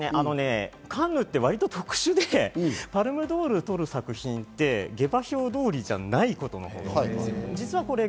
カンヌって割と特殊で、パルムドールを取る作品って、下馬評通りじゃないことが多いんですよ。